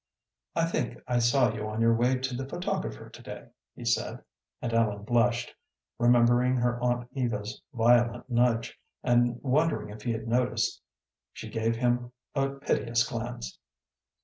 "I think I saw you on your way to the photographer to day," he said, and Ellen blushed, remembering her aunt Eva's violent nudge, and wondering if he had noticed. She gave him a piteous glance.